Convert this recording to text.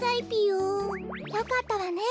よかったわね